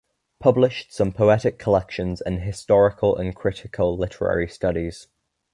Published some poetic collections and historical and critical literary studies.